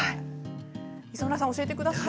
磯村さん、教えてください。